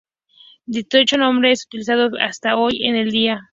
Dicho nombre es el utilizado hasta hoy en día.